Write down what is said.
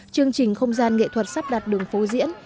chương trình không gian nghệ thuật sắp đặt đường phố diễn